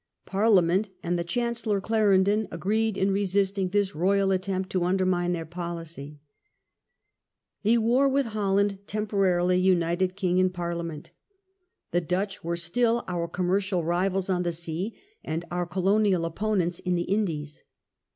Par liament and the Chancellor Clarendon agreed in resisting this royal attempt to undermine their policy. A war with Holland temporarily united king and Parlia ment. The Dutch were still our commercial rivals on the sea The Dutch and our colonial opponents in the Indies.